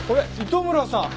糸村さん。